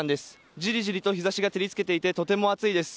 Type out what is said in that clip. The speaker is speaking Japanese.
ジリジリと日差しが照りつけていて、とても暑いです。